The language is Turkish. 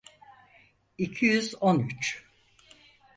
İki yüz on üç.